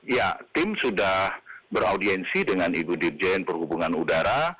ya tim sudah beraudiensi dengan ibu dirjen perhubungan udara